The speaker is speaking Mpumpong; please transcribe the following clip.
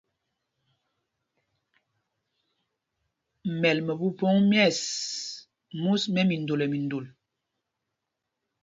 Mūs mɛ́l mɛ phúphōŋ mɛ̂ɛs mɛ́ mindol nɛ mindol.